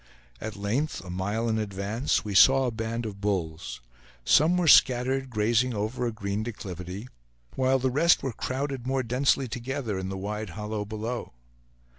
At length, a mile in advance, we saw a band of bulls. Some were scattered grazing over a green declivity, while the rest were crowded more densely together in the wide hollow below.